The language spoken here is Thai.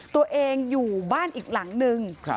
ตัวเองอยู่บ้านอีกหลังนึง